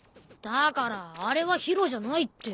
だからあれは宙じゃないって。